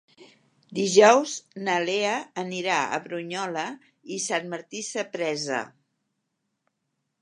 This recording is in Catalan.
Dijous na Lea anirà a Brunyola i Sant Martí Sapresa.